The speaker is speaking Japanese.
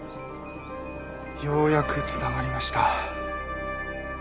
ようやく繋がりました。